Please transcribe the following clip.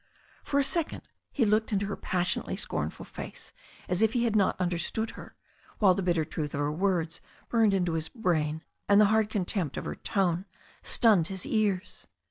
For a second he looked into her passionately scornful face as if he had not understood her, while the bitter truth of her words burned into his brain, and the hard contempt of her tone stunned his ears.